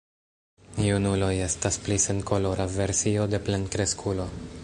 Junuloj estas pli senkolora versio de plenkreskulo.